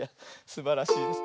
すばらしいです。